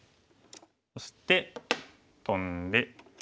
そしてトンで。